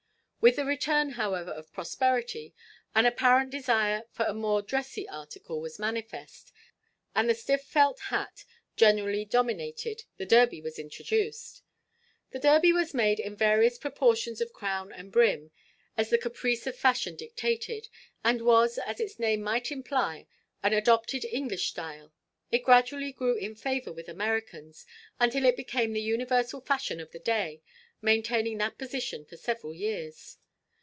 With the return, however, of prosperity, an apparent desire for a more dressy article was manifest, and the stiff felt hat generally denominated the Derby was introduced. The derby was made in various proportions of crown and brim, as the caprice of fashion dictated, and was, as its name might imply, an adopted English style; it gradually grew in favor with Americans, until it became the universal fashion of the day, maintaining that position for several years.